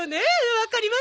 わかります！